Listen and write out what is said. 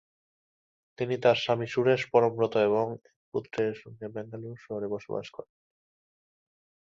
তিনি তার স্বামী সুরেশ পরমব্রত এবং এক পুত্রের সঙ্গে বেঙ্গালুরু শহরে বসবাস করেন।